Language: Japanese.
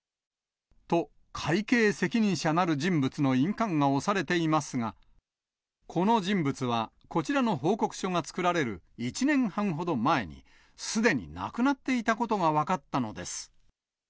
と、会計責任者なる人物の印鑑が押されていますが、この人物はこちらの報告書が作られる１年半ほど前に、すでに亡くなっていたことが分かったのです。